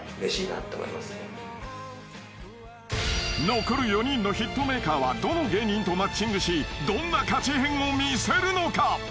［残る４人のヒットメーカーはどの芸人とマッチングしどんなカチヘンを見せるのか？］